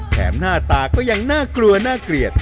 หน้าตาก็ยังน่ากลัวน่าเกลียด